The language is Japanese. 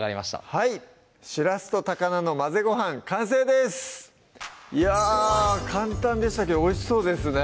はい「しらすと高菜の混ぜごはん」完成ですいや簡単でしたけどおいしそうですね